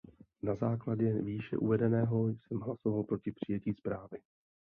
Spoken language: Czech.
Na základě výše uvedeného jsem hlasoval proti přijetí zprávy.